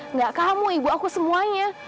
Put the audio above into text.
enggak kamu ibu aku semuanya